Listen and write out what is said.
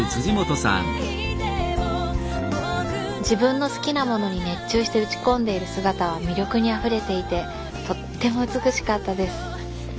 自分の好きなものに熱中して打ち込んでいる姿は魅力にあふれていてとっても美しかったです。